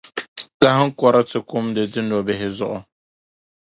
kahiŋkɔri ti kumdi di dunɔbihi zuɣu.